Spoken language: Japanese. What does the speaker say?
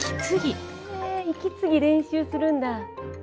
へえ息継ぎ練習するんだ。